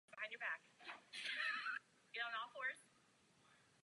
Její případ pořadatelé řešili pouze uložením pokuty.